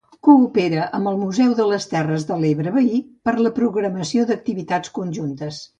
Coopera amb el Museu de les Terres de l'Ebre veí per la programació d’activitats conjuntes.